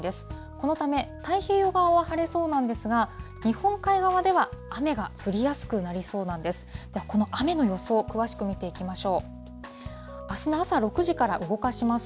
このため太平洋側は晴れそうなんですが、日本海側では雨が降りやすくなりそうなんです。